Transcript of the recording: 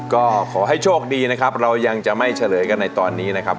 ก็ขอให้โชคดีนะครับเรายังจะไม่เฉลยกันในตอนนี้นะครับ